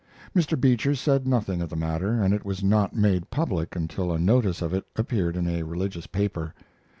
Mr. Beecher said nothing of the matter, and it was not made public until a notice of it appeared in a religious paper.